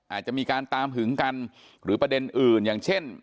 อาจจะมีการตามหึงกันหรือประเด็นอื่นอย่างเช่น